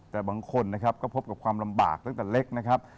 แต่บางคนนะครับก็พบกับความลำบากตั้งแต่เล็กนะครับ